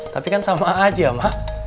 tapi kan sama aja mak